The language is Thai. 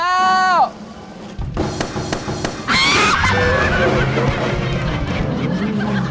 ใช้